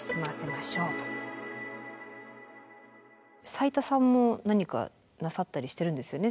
斉田さんも何かなさったりしてるんですよね？